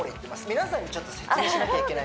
皆さんに説明しなきゃいけない